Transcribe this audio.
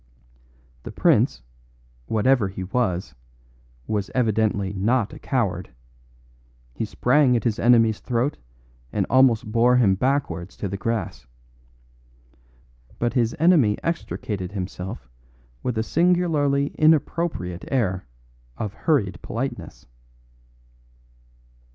The prince, whatever he was, was evidently not a coward; he sprang at his enemy's throat and almost bore him backwards to the grass. But his enemy extricated himself with a singularly inappropriate air of hurried politeness.